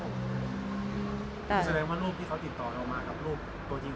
ก็แสดงว่ารูปที่เขาติดต่อเรามากับรูปตัวจริงเขาคือเป็นคนละคนตัวเอง